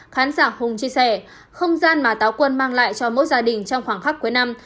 khán giả hùng chia sẻ không gian mà táo quân mang lại cho mỗi gia đình trong khoảng khắc cuối năm